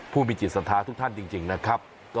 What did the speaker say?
ผู้มีจิตศรัทธาทุกท่านจริงนะครับ